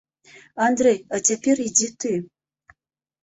Андрэй, а цяпер ідзі ты.